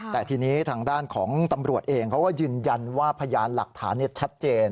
แต่ทีนี้ทางด้านของตำรวจเองเขาก็ยืนยันว่าพยานหลักฐานชัดเจน